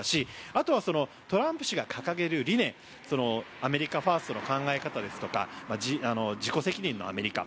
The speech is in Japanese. あとはトランプ氏が掲げる理念アメリカファーストの考え方ですとか自己責任のアメリカ